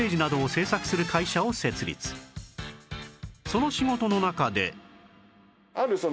その仕事の中で